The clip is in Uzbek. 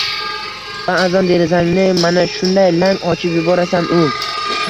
Ba’zan derazangni mana shunday lang ochib yuborasan-u